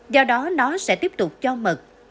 do đó nó sẽ tiếp tục cho mật